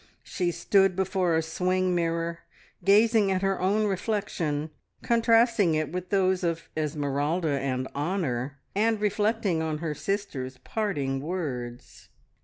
She stood before a swing mirror, gazing at her own reflection, contrasting it with those of Esmeralda and Honor, and reflecting on her sister's parting words.